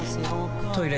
トイレ